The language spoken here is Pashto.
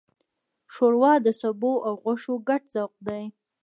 ښوروا د سبو او غوښو ګډ ذوق دی.